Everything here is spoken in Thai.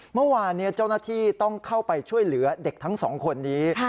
เมื่อวานนี้เจ้าหน้าที่ต้องเข้าไปช่วยเหลือเด็กทั้งสองคนนี้